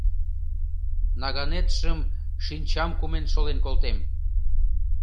Наганетшым шинчам кумен шолен колтем.